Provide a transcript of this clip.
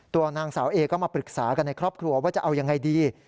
ตัวนางสาวเอก็มาปรึกษากันในครอบครัวว่าจะเอายังไงดี